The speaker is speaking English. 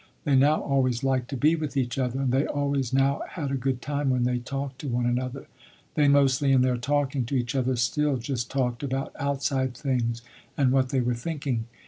They now always liked to be with each other, and they always now had a good time when they talked to one another. They, mostly in their talking to each other, still just talked about outside things and what they were thinking.